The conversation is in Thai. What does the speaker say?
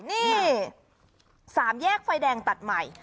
นี่๓แยกไฟแดงตัดใหม่